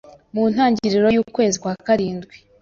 mu ntangiriro y'ukwezi kwa karindwi